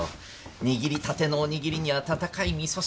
握りたてのおにぎりに温かい味噌汁